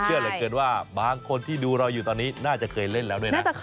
เชื่อเหลือเกินว่าบางคนที่ดูเราอยู่ตอนนี้น่าจะเคยเล่นแล้วด้วยนะ